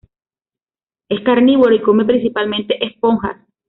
Es carnívoro y come principalmente esponjas.